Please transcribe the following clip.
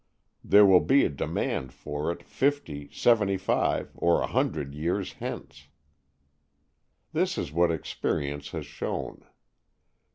There will be a demand for it fifty, seventy five, or a hundred years hence. This is what experience has shown.